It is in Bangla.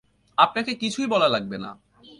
আপনাকে কিছুই বলা লাগবে না।